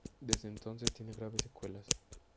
Desde entonces tiene graves secuelas.